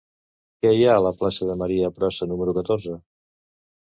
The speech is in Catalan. Què hi ha a la plaça de Marià Brossa número catorze?